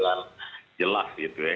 dari jelas gitu ya